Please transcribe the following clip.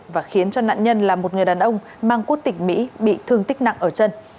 và khiến cho nạn nhân là một người đàn ông mang quốc tịch mỹ bị thương tích nặng ở chân